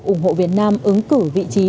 ủng hộ việt nam ứng cử vị trí